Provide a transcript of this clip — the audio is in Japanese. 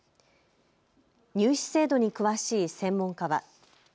入試制度に詳しい専門家は。